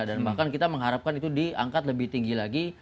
dan bahkan kita mengharapkan itu diangkat lebih tinggi lagi